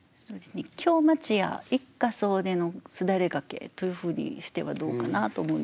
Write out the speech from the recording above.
「京町家一家総出の簾掛け」というふうにしてはどうかなと思うんですけど。